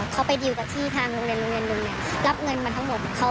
เขาไปดีลกับที่ทางโรงเรียนรับเงินมาทั้งหมด